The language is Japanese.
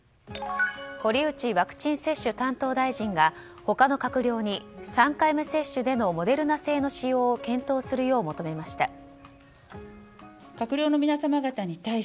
堀内ワクチン接種担当大臣が他の閣僚に、３回目接種でのモデルナ製の使用を検討するよう求めました。